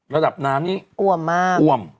ระดับน้ำนี้อ่มมาก